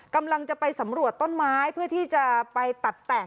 กำลังจะไปสำรวจต้นไม้เพื่อที่จะไปตัดแต่ง